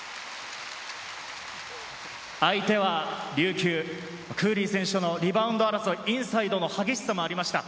相手は琉球、クーリー選手とのリバウンド争い、インサイドの激しさもありました。